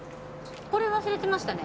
これ忘れてましたね。